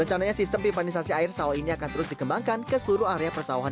rencananya sistem pipanisasi air sawah ini akan terus dikembangkan ke seluruh area persawahan